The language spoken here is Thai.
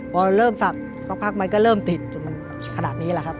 พอเริ่มศักดิ์สักพักมันก็เริ่มติดจนมันขนาดนี้แหละครับ